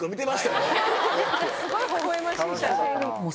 すごいほほ笑ましい写真。